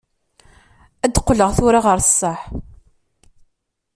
Ad d-qqleɣ tura ɣer ṣṣeḥ.